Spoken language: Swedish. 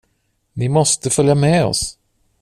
Ni måste följa med oss.